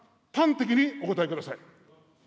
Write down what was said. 端的にお答えください。